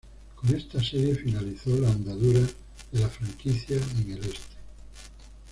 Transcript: Con esta serie finalizó la andadura de la franquicia en el Este.